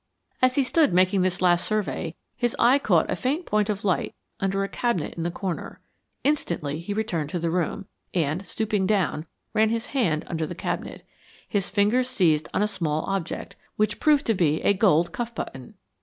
As he stood making this last survey, his eye caught a faint point of light under a cabinet in a corner. Instantly he returned to the room, and stooping down, ran his hand under the cabinet. His fingers seized on a small object, which proved to be a gold cuff button.